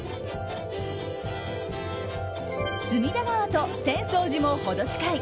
隅田川と浅草寺も程近い